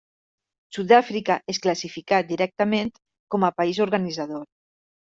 Sud-àfrica es classificà directament com a país organitzador.